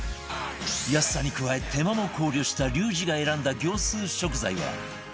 安さに加え手間も考慮したリュウジが選んだ業スー食材は